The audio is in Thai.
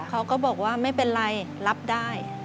เขาก็บอกว่าไม่เป็นไรรับได้